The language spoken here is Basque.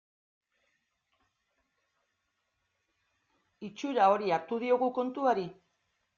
Itxura hori hartu diogu kontuari.